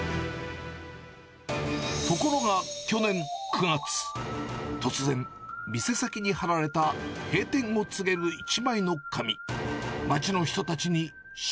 ところが去年９月、突然、店先に貼られた閉店を告げる一枚の紙。